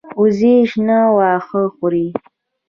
وزې شنه واښه خوښوي